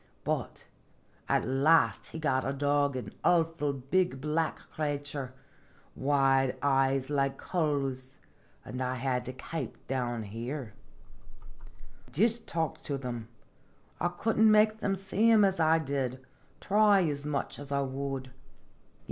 But at last he got a dog an awful big, black crater, wid eyes like coals, an' I had to kape down here. " I did talk to thim. I could n't make thim see him as I did, try as much as I would. Ye Singeb Jttotljs.